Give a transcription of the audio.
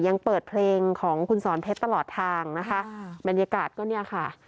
ยังเปิดเพลงของคุณสอนเพชรตลอดทางนะคะบรรยากาศก็เนี่ยค่ะ